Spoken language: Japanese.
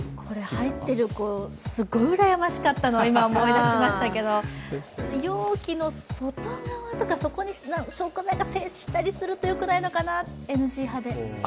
入っているのがすごく羨ましかったのを今思い出しましたけど容器の外側とか底に食材が接したらよくないのかな、ＮＧ派で。